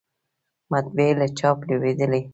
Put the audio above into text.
مطبعې له چاپ لویدلې